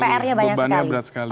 prnya banyak sekali